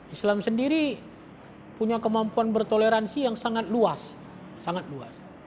islam sendiri punya kemampuan bertoleransi yang sangat luas